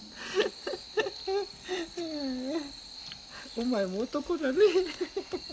お前も男だね。